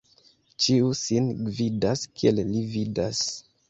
Ĉiu sin gvidas, kiel li vidas.